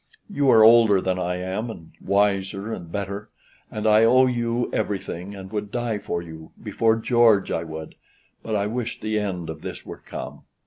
You are older than I am, and wiser, and better, and I owe you everything, and would die for you before George I would; but I wish the end of this were come."